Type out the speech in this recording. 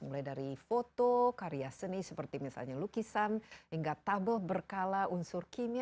mulai dari foto karya seni seperti misalnya lukisan hingga tabel berkala unsur kimia